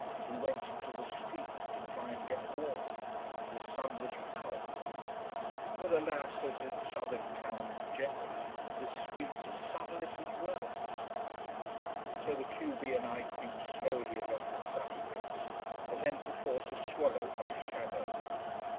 We went into the streets to try and get warm. The sun was powerful. But alas, as in southern towns generally, the streets are sunless as wells. So the q b and I creep slowly along the sunny bits, and then perforce are swallowed by shadow.